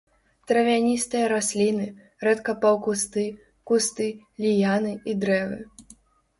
Травяністыя расліны, рэдка паўкусты, кусты, ліяны і дрэвы.